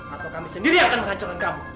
atau kami sendiri yang akan menghancurkan kamu